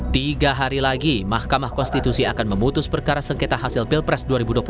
tiga hari lagi mahkamah konstitusi akan memutus perkara sengketa hasil pilpres dua ribu dua puluh empat